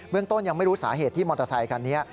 เรื่องต้นยังไม่รู้สาเหตุที่มอเตอร์ไซคันนี้